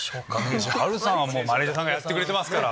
波瑠さんはマネジャーさんがやってくれてますから。